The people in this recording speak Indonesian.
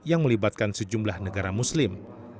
yang melibatkan sejumlah negara muslim